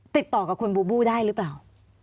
ติดต่อกับคุณบูบูได้หรือเปล่า